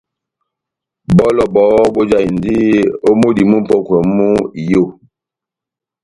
Bɔlɔ bɔhɔ́ bojahindi ó múdi múpɔkwɛ mú iyó.